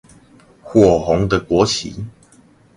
火紅的國旗